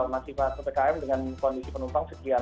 masih ppkm dengan kondisi penumpang sekian